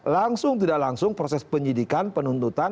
langsung tidak langsung proses penyidikan penuntutan